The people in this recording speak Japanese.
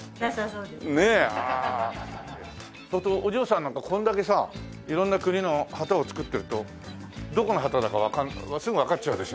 相当お嬢さんなんかこんだけさ色んな国の旗を作ってるとどこの旗だかすぐわかっちゃうでしょ？